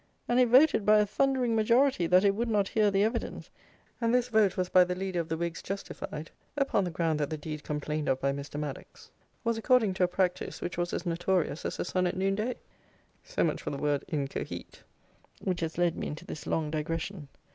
And it voted by a thundering majority, that it would not hear the evidence. And this vote was, by the leader of the Whigs, justified upon the ground that the deed complained of by Mr. Maddocks was according to a practice which was as notorious as the sun at noon day. So much for the word "incohete," which has led me into this long digression.